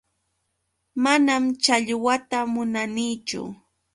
Manam challwata munanichu.